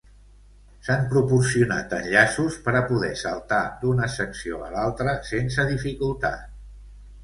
S'han proporcionat enllaços per a poder saltar d'una secció a l'altra sense dificultat.